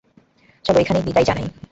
চলো এখানেই বিদায় জানাই।